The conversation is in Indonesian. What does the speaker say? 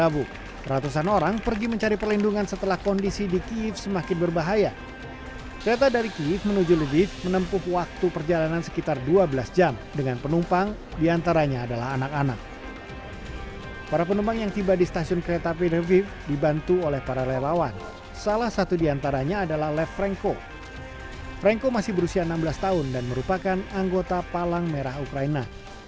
franko masih berusia enam belas tahun dan merupakan anggota palang merah ukraina